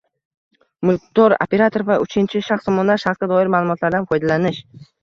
Mulkdor, operator va uchinchi shaxs tomonidan shaxsga doir ma’lumotlardan foydalanish